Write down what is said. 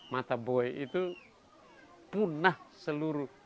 mata boy itu punah seluruh